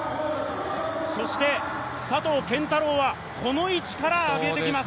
そして佐藤拳太郎はこの位置から上げてきます。